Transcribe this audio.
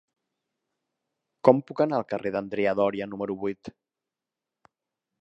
Com puc anar al carrer d'Andrea Doria número vuit?